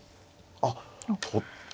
あっ取った。